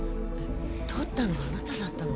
とったのあなただったの？